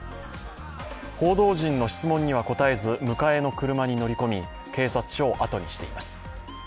報道陣の質問には答えず、迎えの車に乗り込み、警察署を後にしています。